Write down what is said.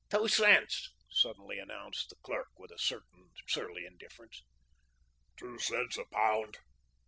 "Two cents," suddenly announced the clerk with a certain surly indifference. "Two cents a pound?"